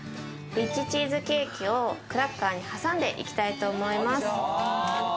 リッチチーズケーキをクラッカーにはさんでいきたいと思います。